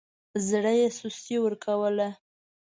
زړه يې سستي ورکوله.